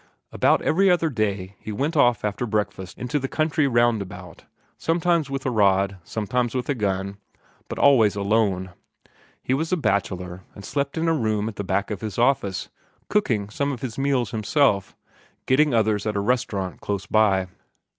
About every other day he went off after breakfast into the country roundabout, sometimes with a rod, sometimes with a gun, but always alone. He was a bachelor, and slept in a room at the back of his office, cooking some of his meals himself, getting others at a restaurant close by.